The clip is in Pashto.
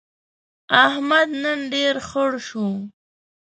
احمد نن ډېر خړ شو.